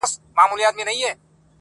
پلټنه د کور دننه پيل کيږي،